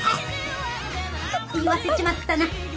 言わせちまったな。